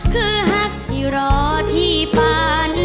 คือฮักที่รอที่ปาน